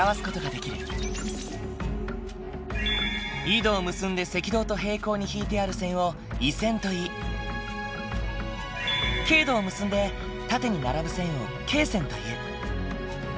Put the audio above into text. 緯度を結んで赤道と平行に引いてある線を緯線といい経度を結んで縦に並ぶ線を経線という。